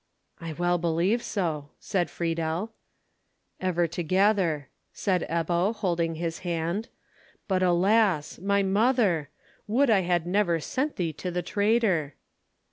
"I well believe so," said Friedel. "Ever together," said Ebbo, holding his hand. "But alas! My mother! Would I had never sent thee to the traitor."